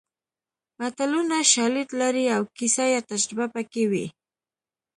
متلونه شالید لري او کیسه یا تجربه پکې وي